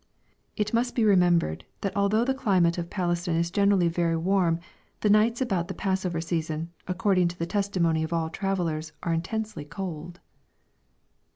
] It must be remembered, that although the climate of Palestine is generally very warm, the nights about the Passover season, according to the testimony of all travellers, are intensely cold.